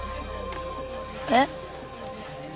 えっ？